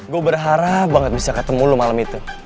gue berharap banget bisa ketemu lo malam itu